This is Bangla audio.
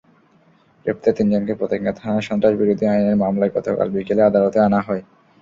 গ্রেপ্তার তিনজনকে পতেঙ্গা থানার সন্ত্রাসবিরোধী আইনের মামলায় গতকাল বিকেলে আদালতে আনা হয়।